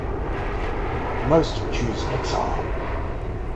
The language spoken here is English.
Most chose exile.